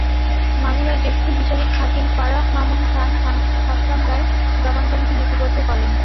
মাগুরার জ্যেষ্ঠ বিচারিক হাকিম ফারাহ মামুন তাঁর খাসকামরায় জবানবন্দি লিপিবদ্ধ করেন।